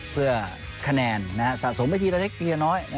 เพื่อคะแนนสะสมไปทีละทีก็น้อย